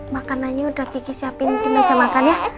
makanannya udah dikisiapin di meja makan ya